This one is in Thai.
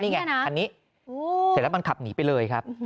นี่ไงคันนี้เสร็จแล้วมันขับหนีไปเลยครับ